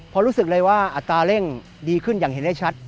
พอรู้สึกเลยว่าอัตราเร่งดีขึ้นอย่างเห็นได้ชัด